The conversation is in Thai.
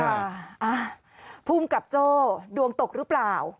อ่าภูมิกับโจ้ดวงตกหรือเปล่า